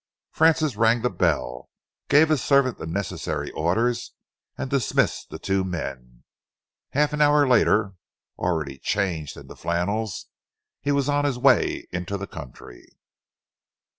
Francis rang the bell, gave his servant the necessary orders, and dismissed the two men. Half an hour later, already changed into flannels, he was on his way into the country.